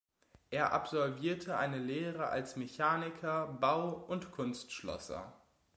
Er absolvierte eine Lehre als Mechaniker, Bau- und Kunstschlosser.